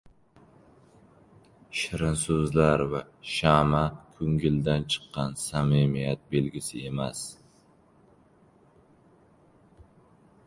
— Shirin so‘zlar va sha’ma ko‘ngildan chiqqan samimiyat belgisi emas.